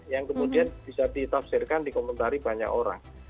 yang kemudian bisa ditafsirkan dikomentari banyak orang